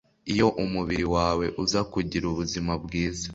iyo umubiri wawe uza kugira ubuzima bwiza